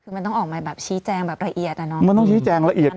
คือมันต้องออกมาแบบชี้แจงแบบละเอียดอ่ะเนอะมันต้องชี้แจงละเอียด